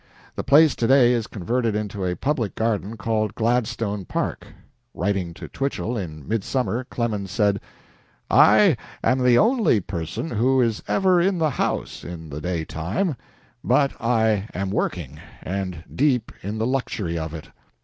The place to day is converted into a public garden called Gladstone Park. Writing to Twichell in mid summer, Clemens said: "I am the only person who is ever in the house in the daytime, but I am working, and deep in the luxury of it.